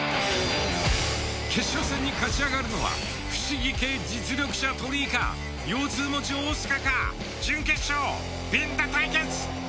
決勝戦に勝ち上がるのは不思議系実力者鳥居か腰痛持ち大須賀か準決勝びんた対決。